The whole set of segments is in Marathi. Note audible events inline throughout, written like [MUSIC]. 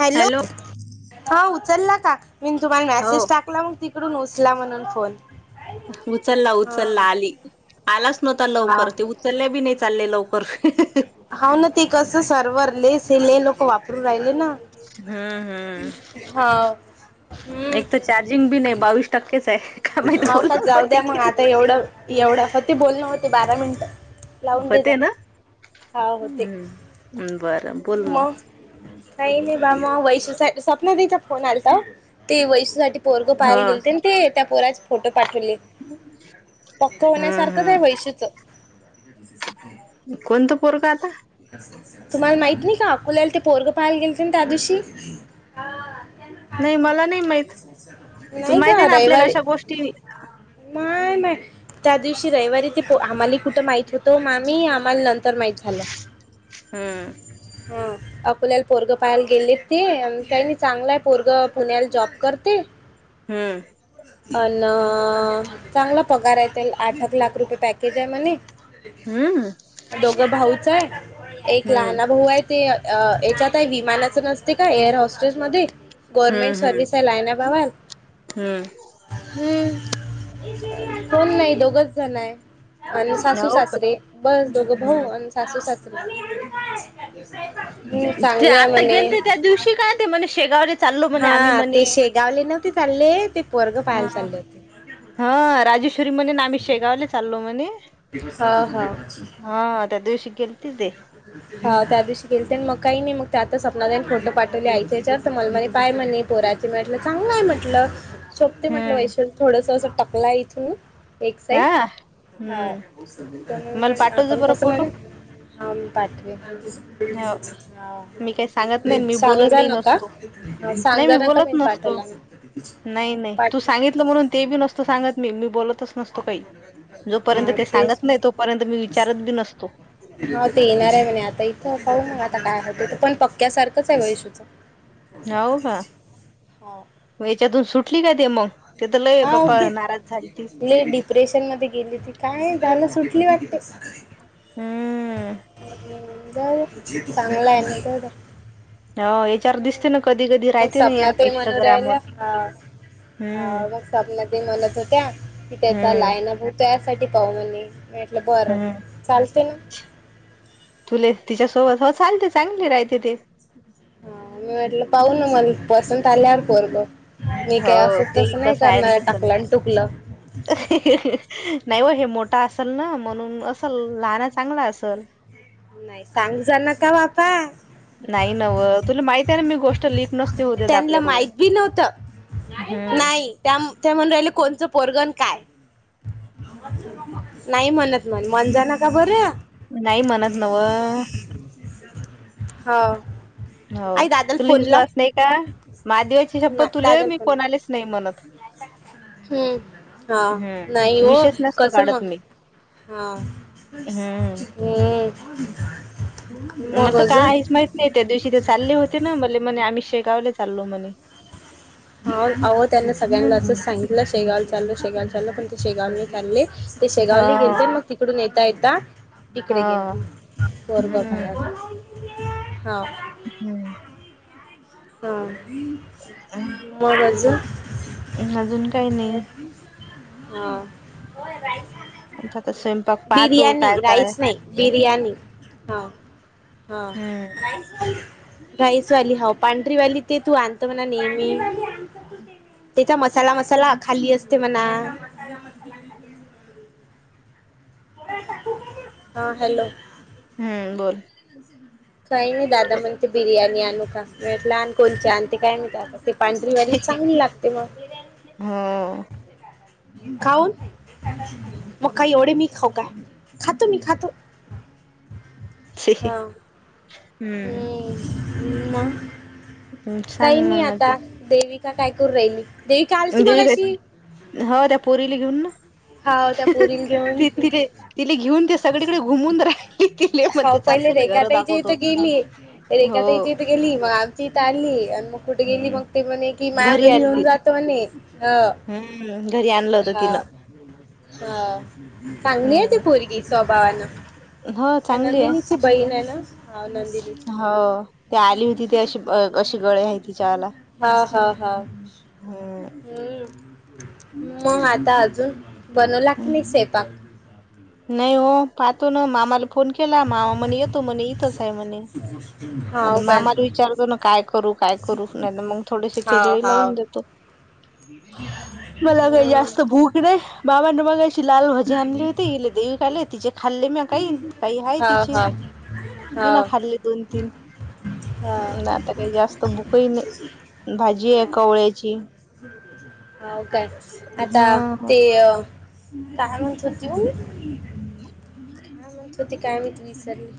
हॅलो हा उचलला का? मी तुम्हाला हो मेसेज टाकला मग तिकडून उचला म्हणून फोन. उचलला हा उचलला आली, आलाच नव्हता हा लवकर ते- चल्या बी नाही चालले लवकर. हा ना ते कसं सर्वर लेस हेले लोक वापरून राहिले ना. हम्म हम्म हा हम् एक तर चार्जिंग बी नाही बावीस टक्केच आहे. काय माहित अव का बोलण जाऊ होते द्या की मग नाही आता एवढं एवढं हो ते बोलण होती बारा मिनटं- लावून देजा होते ना हा होते हम्म बरं बोल मग [INAUDIBLE] काही नाही बा म वैशू सपना देचा फोन आलाचा ते वैशूसाठी- पोरगं हा पाहाय गेलते ना ते त्या पोरा फोटो पा- पक्क हम्म होण्यासारखंच आहे हम्म वैशुच. कोणतं पोर का आलता. तुम्हाला माहीत नाही का अकोल्याला ते पोरग पहायला गेलतील ना दीवशी. ह... नाही मला नाही माहित तुला नाही माहित आहे का ना आपल्याला रविवारी. अशा गोष्टी माय, माय त्या दिवशी रविवारी ते आम्हाला कुठं माहित होतं आम्ही आम्हाला नंतर- तर माहीत झालं. हम हो अकोल्याला पोरग पाहायला गेले ते काही नाही चांगलाय पोरग पुण्याला जॉब करते. हम्म अन चांगला पगार आहे ते आठ आठ लाख रुपये पॅकेज आहे म्हणे- हम्म दोघं भाऊच आहेच एक हम्म लहना भाऊ आहे. ते याच्यातही विमानाचं नसते का एअर हॉस्टेलसमध्ये. गव्हर्नमेंट हम्म हम्म सर्विस आहे लायना भावाल. हम्म हम्म कोण नाही दोघचं जण आहे. आणि सासू हो का सासरे बस दोघं भाऊ हम्म आणि सासू सासरे- हम्म ते चांगले आहे आता गेल म्हणे. ते त्या दिवशी काय ते म्हण शेगावऱ- हा ते शेगावले नव्हते चालले ते पोरग पाहायला हा चालले होते. हा राजेश्वरी म्हणे ना आम्ही शेगावले चालो म्हणे. हा हा हा त्या दिवशी गेलते ते. ह् ह त्या दिवशी गेलेते मग काही नाही मग त्या आता सपनाताई फोटो पाठवले आईच्या हेच्यात मला मणे पाय म्हणे. पोराचे म्हटलं चांगलंय म्हटलं सोबते म्हटलं हम्म वैशल थोडस अस टकलाय इथून. एक साईड हा हा हम्म मला पाठवच आता बरं कसं फोटो म्हणे. ह पाठवे हो मी काही सांगत नाही मी सांग जा बोलतही नका नसतो [INAUDIBLE] नाही सांगु नका मी बोलत नसतो पाठवला. नाही नाही तू पाठ सांगितलं म्हणून ते बी नसतो सांगत मी मी बोलतच. तो काही जोपर्यंत हा ते तेच सांगत नाही तोपर्यंत मी विचारत बी नसतो. हो देणार आहे म्हणे आता, इथं पाहू ना आता काय होतंय पण पक्क्यासारखंच आहे इशूचं होउ का हेच्यातून सुटली काय ते मग तिथं लयं बाप्पा नाराज झाली ती रेशन मध्ये गेली ती काय झायलं सुटली वाटते. हम्म. हं जाऊदे चांगलं हायं नंतरन ह हेच्यावर दिसते ना कधी कधी मग राहते ना या सपनातही इंस्टाग्रामवर ह हम्म मग स्वपना दी म्हणत होत्या की त्याचा हम्म लायन ब त्यासाठी पाहूनी मी म्हटलं बरं हम्म चालते ना त तुले तिच्यासोबत हो चालते चांगले राहते ते हा मी म्हटलं पाहुन म पसंत आल्यावर पोरगं मी काय हो असं ते तसं नाही कसं आहे आणि करणार कसं नाही. टकलं आणि टुकलं नाही हो हे मोठा असल ना म्हणून असल लहान चांगला असल. नाही कांग जा ना का बापा नाही नव तुला माहित आहे, ना मी गोष्ट लीक नस त्यांना माहिती नव्हत हम्म नाही, त्या त्या म्हणून राहिलं कोणचं पोरगण काय? नाही म्हणत मण मन जाना का बरं नाही म्हणत नवं हं. हो तुला विश्वास नाही का? महादेवाची नाही शपथ तुले दादाला मी फोन लाव कोणालेच नाही म्हणत. हम्म हा नाही हम्म हो विषयच नसतो कसं काढत मग मी. हा हम्म हम् मग अजून हे त्या दिवशी ते चालले होते ना मले म्ह मणे आम्ही शेगाव चालो म्हणे अहो अहो त्यांना सगळ्यांना हम्म असंच सांगितलं शेगाव चाललो शेगावला चालो पण ते शेगावला नाही चालले. ते हा शेगावली गेलते मग तिकडून येता येता ते तिकडे हा गेली हम्म. कोरगावखला हां हम्म हा मग अजून अजून काही नाही हयात हं आता तर स्वयंपाक [UNINTELLIGIBLE] पाहतो बिर्याणी काय कराय राईस नाही बिर्याणी ह ह हम्म राईसवाली राईसवाली हाऊ पांढरीवाली ते तू आणत मणा नेहमी पांढरीवाली आणतो तू तेथ मसाला मसाला खाली असते म्हणा. [UNINTELLIGIBLE] मसाला खाली असते. हा हॅलो. हम्म बोल. काही नाही दादा म्हणते बिर्याणी आणू का? मी म्हटलं आन कोणची आणते काय माहित आता ते पांढरीवाली चांगली लागते मग हं. खाऊन मग काही एवढे मी खाऊ काय खातो मी खातो. हां. हम्म. म सांग काही नाही मग आता अजून देविका काय करून राहिली. देविका आलती देवे मगाशी हं त्या पोरीली घेऊन ना. हा त्या पोरील घेऊन तिला घेऊन दिसत. सगळीकडे घुमून राहिली तिले मग हाव ते पहिले चालतो रेखा घर ताईच्या दाखवतो इथं गेली रेखा हो. ताईच्या इथं गेली मग आमची तारली आणि मग कुठे गेली हम्म मग ते म्हणे कि माया घरी आली घऊन ती जातो म्हणे. हम्म घरी आणलं होतं हा तिनं हा चांगली आहे ते हम्म पोरगी. भान हो त्या चांगली आहे नंदिनीची बहीण आहे ना. हा नंदिनीची हो बहीण ते आली होती ते अशी अशी गळे आहे तिच्याला हा हा हा हम्म हम्म मग आता अजून बनवला की नाही स्वयंपाक. नाही हो पाहतो ना मामाला फोन केला मामा म्हणे येतो म्हणे इथंच आहे म्हणे. अच्छा आता मामाला विचारतो ना काय करू काय करू नाही मग थोडेसे हाव खिचडी लावून हाव देतो. मला काही जास्त हम्म भूक नाही बाबाने मगाशी लाल भजे आणली होती इथे देवीकाले. तिचे खाल्ले मी काही काही आहे हाव तिचे हाव ती ना हाव खाल्ले दोन तीन. हा ना आता काही जास्त भूक ही नाही भाजी आहे कवळ्याची. हो काय आता हा ते काय म्हणतो देवू. हा म्हणत होती काय माहित विसरली.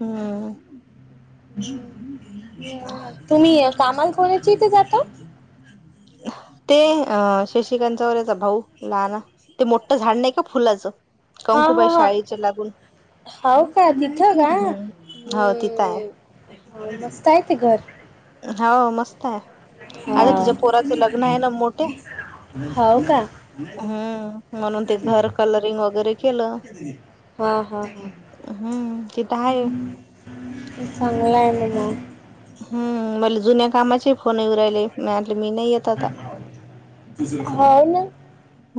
हम्म तुम्ही कामाला कोण्याच्या इथे जाता. ते अ शशिकांचा व याचा भाऊ लहाना ते मोठं झाड नाही का फुलाचं. हा हा कंकुबाई हा शाळेच्या लागून हाय का तिथं का हम्म हो तिथं आहे. हम्. मस्त आहे ते घर. हो मस्त आहे. हा आता तिच्या पोराचं लग्न आहे ना मोठ्या हाव का हम्म. म्हणून ते घर कलरिंग वगैरे केलं. हा हा हा हम्म तिथं आहे चांगलं ना मग. हम् मला जुन्या कामाचे फोन येऊ राहिले मी म्हटले मी नाही येत. आता हो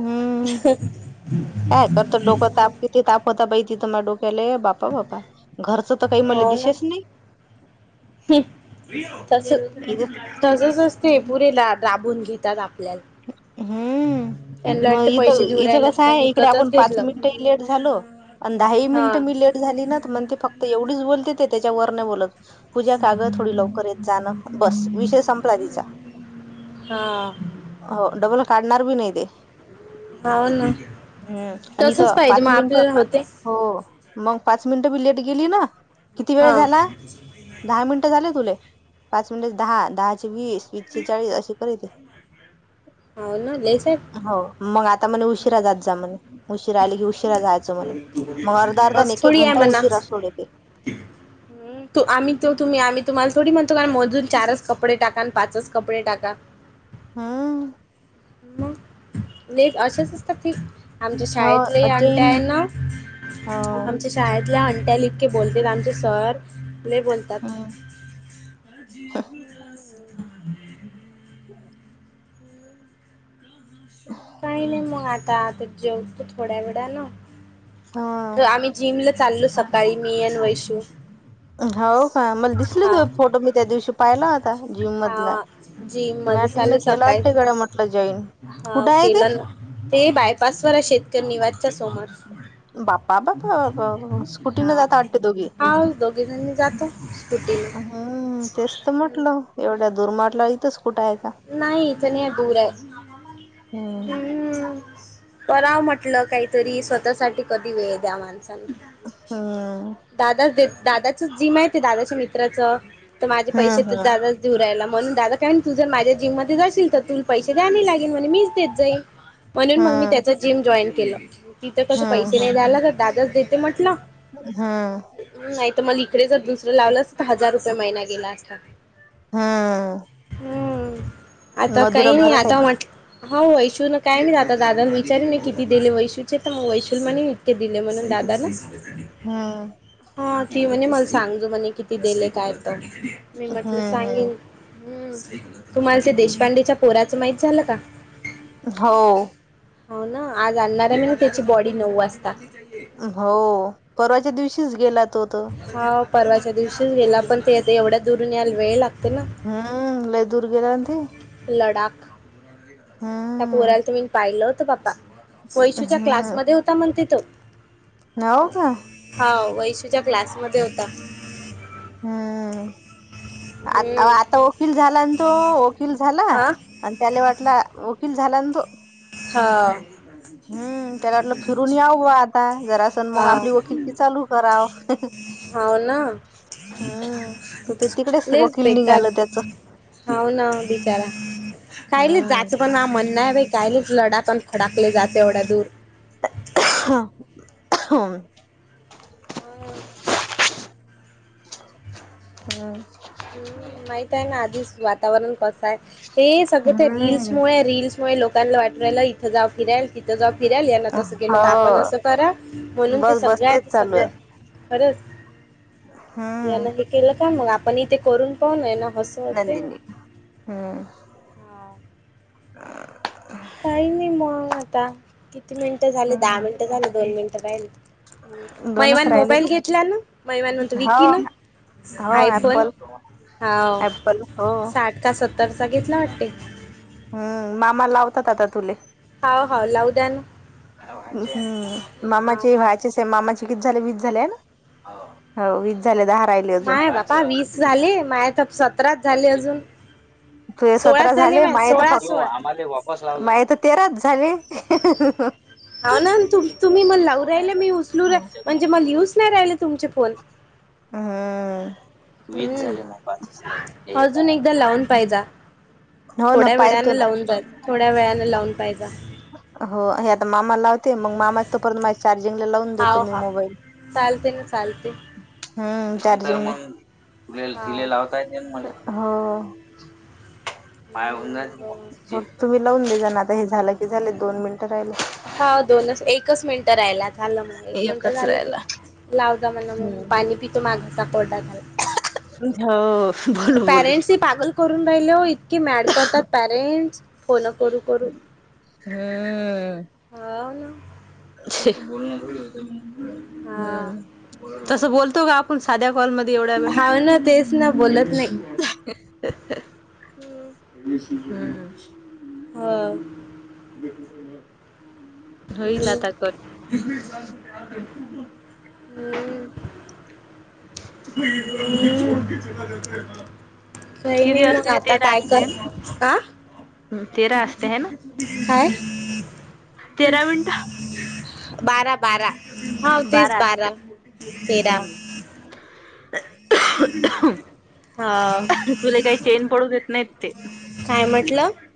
हम्म [UNINTELLIGIBLE] तिथे ताप होता बाई तिथं म डोक्याला बापा बापा घरचं तर काही मले हो ना दिशेच नाही. तस तसच असते पुरेला राबून घेतात आपल्याला. हम्म त्यांना मग वाटतं इथं पैसे देऊ इथं राहिलं कसं तर काय आहे इकडे आपण विकतच पाच मिनिट घेतलं ह लेट झालो आणि दहा ह हा मिनिटं मी लेट झाली ना मण ते फक्त एवढीच बोलते ते त्याच्यावर नाही बोलत. पूजा कागं थोडी लवकर येत जाणं बस. विषय संपला तिचा.... हा हो डबल काढणार बी नाही ते. हो ना हम्म आणि इथे तसच पाहिजे पाच मग मिनिट. आपल्याला होते हो मग पाच मिनिटं बी लेट गेली ना किती वेळ हा झाला. दहा मिनटं झाले तुले, पाच मिनटचे दहा, दहाचे वीस, वीसशे चाळीस असे करीत. होन लयच आहेस हो, मग आता म्हणे' उशिरा जात जा' म्हणे, उशिरा आला की उशिरा जाय मग अर्धा-अर्धाने, असं एक-एक थोडी आहे घंटा उशीरा म्हणा सोडते [INAUDIBLE] आम्ही तो तुम्ही आम्ही तुम्हाला थोडी म्हणतो, मोजून चारच कपडे टाका आणि पाचच कपडे टाका हा मग नेक अशाच असतात, ती आमच्या हो शाळेतलेही आंट्या जैन आहे ना, हो आमच्या शाळेतल्या अंट्या लिके इतकं बोलतेत, आमचे सर लय बोलतात. हं [INAUDIBLE] काही नाही, मग आता जेवतो थोड्या वेडानं हा तर आम्ही जिमला चाललो, सकाळी मी आणि वैशू हो का? मला दिसले, हा तुझे फोटो मी त्या दिवशी पाहिला होता, जीम मधला हा जिम मध्ये मॅतिकन केला वाटत म्हटलं जॉईन. हां, कुठं आहे ते केलं ना. ते बायपासवर आहे, शेतकरी निवासच्या समोर. बाप्पा बाप्पा बाप्पा स्कुटीने जाता वाटते दोघी हा, दोघी जणी जातो स्कुटीवर. हं, तेच तर म्हटलं. एवढ्या दुरमाटला इथच कुठं आहे का? नाही, इथे नाही, दूर आहे. हम्म हं, करावं म्हटलं, काहीतरी स्वतःसाठी. कधी वेळ द्या माणसाला! हं दादाच दादाचच जिम आहे ते, दादाच्या मित्राचं. तर माझे पैसे हम्म तर दादा धुनरायला म्हणून दादा काय तू जर माझ्या जिम मध्ये जाशील तर तुला पैसे द्याने लागेल, म्हणे मीच देत जाईन म्हणून मग मी हम्म त्याचंच जिम जॉईन केलं. तिथं कसे पैसे हम्म नाही द्यायला लागणार, तर दादाच देते म्हटलं. हं नाहीतर, मला इकडे जर दुसरं लावलं असतं, तर हजार रुपये महिना गेला असता. हा हम्म आता काही नाही, आहे आता म्हट हा वैशू, काय नाही, दादाला विचारण मी किती दिले वैशूचे? तर मग वैशूल म्हणे, इतके दिले म्हणून दादांना [UNINTELLIGIBLE] हं हा, ती म्हणे, मला सांगजो, म्हणे किती दिले काय? तर मी म्हटलं, हम्म सांगेन. हं तुम्हाला ते हम्म देशपांडेच्या पोराचं माहित झालं का? हो हो ना, आज आणणार आहे मी ना त्याची बॉडी, नऊ वाजता. हो, परवाच्या दिवशीच गेला तो तर हा, परवाच्या दिवशीच गेला, पण ते येत, एवढ्या दुरून यायला वेळ लागते ना. हं, लय दूर गेला न ते, लडाख, त्या हम्म पोऱ्याला तुम्ही पाहिलं होतं, बाप्पा वैशूच्या हम्म क्लासमध्ये होता म्हण तिथ हो का? हो, वैशूच्या क्लासमध्ये होता. हं आता हम्म आता वकील झाला न तो, वकील झाला. आ आणि त्याला वाटला वकील झाला न तो हं [INAUDIBLE] हम्म त्याला वाटलं फिरून याव बा आता जरासन मग वाव आपली [INAUDIBLE] वकिलकी चालू कराव होव ना. हम्म तर ते तिकडेच प्लीज बे वकील निघालं त्याच हो ना, बिचारा कायले हम्म जात [UNINTELLIGIBLE] नाही बाई, कायले लडाक अन खडाकले जाते, एवढ्या दूर. हा, हा. [UNINTELLIGIBLE] [INAUDIBLE] [INAUDIBLE] हम्म, माहित आहे ना आधीच वातावरण कसं आहे. हे सगळं ते रिल्स हम्म मुळे रील्स तव्हय लोकांना वाटू राहिलं इथं जाऊ फिरायल ति थ जाऊ फिराल, यांन तसं केलं, तर आपण हो असं करा. म्हणून ते बस बस तेच सगळ्यात चालू आहे सगळ्या खरंच? यान हम्म हे केलं का, मग आपण हि ते करून पाहू, नय ना बस नंदिनी हम्म. हा काही नई मग आता. किती मिनिटं झाले दहा हम्म मिनिटं झाली, दोन मिनिटं राहिले. दोनच मैवान राहिले ना मोबाईल घेतलं नं, मैवान म्हणत हो विकी न. हो आय फोन. ऍपल हाव. ऍप्पल हो साठ का सत्तरचा घेतला वाटते. हम्म, मामा लावतात आता तुले. हाव हाव लावू द्या ना [INAUDIBLE] हम्म हाव मामाची हाव मामाचे किती झाले वीस झालेत, हे ना. होव. दहा राहिले. अजून माये बापा वीस झाले, माये त तुझे तर सतरा सोळाच झाले माय माये तर सोळा फक्, सोळा आम्हाले माये तर तेराच झाले. होउ ना तु-तुम्ही मले लावू राहिले, मी उचलू रा म्हणजे मले येऊच नाही राहिले तुमचे फोन. हम्म. वीस झाले म हम्म पाचचं राहिले. अजून एकदा लावून पाहिजा. हो ना थोड्या पाहतो वेळाने ना लावून जाईल, थोड्या वेळानें लावून पाहिजा. हो, हे आता मामाला लावते, मग मामा तो परंत मा चार्जिंगला लावून देतो हाव मी हा मोबाईल. चालते ना चालते हम्म चार्जिंग, तर मग वेल तिला हाव लावता येतें ना मले. हो. माझे हुन हम्म, जातील बरं मग. तुम्ही लावून दे जा ना आता हे झालं की झालं, दोन मिनिटं राहिल. होउ, दोनच-एकच मिनिटं राहिलात. झालं मग, एक मिनिटं एकच झालं की राहिला लावजा मला मग हम्म पाणी पितो माझा घसा कोरडा झालं. हो बोलू बोलू. पॅरेंट्सही पागल करून राहिलं, इतकी मॅड करतात पॅरेंट्स. कॉला करू-करू हम्म. हा ना. असं बोलणं थोडी होतं मग. हा हम्म, तस बोलतो का आपण साध्या कॉलमध्ये एवढ्या वेळ. हाव ना तेच ना बोलत नाही [INAUDIBLE] येशील घरी मग. हम्म. व्हय. होईल आता कट [INAUDIBLE] [INAUDIBLE] ह्म. [INAUDIBLE] [INAUDIBLE] काय नई किती मग असते आता तेरा काय असते कर, आ. तेरा असत्या हे ना. काय? [INAUDIBLE] तेरा मिनिट बारा- बारा. हा तेच, बारा, तेरा हम्म. [INAUDIBLE] हा, तुला काही चेन पडू देत नाहीत ते. काय म्हटलं?